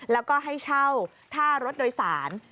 และให้เช่าท่ารถโดยสาร